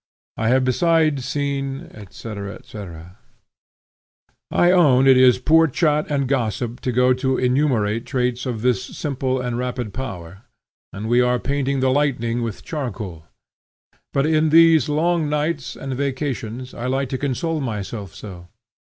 I have besides seen," &c. I own it is but poor chat and gossip to go to enumerate traits of this simple and rapid power, and we are painting the lightning with charcoal; but in these long nights and vacations I like to console myself so.